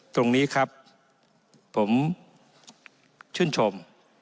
ตรงนี้ครับผมชื่นชม